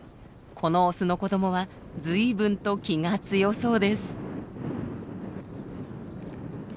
このオスの子どもは随分と気が強そうです。